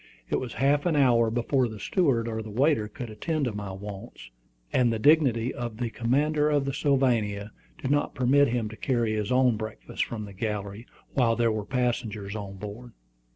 It was half an hour before the steward or the waiter could attend to my wants; and the dignity of the commander of the Sylvania did not permit him to carry his own breakfast from the galley, while there were passengers on board.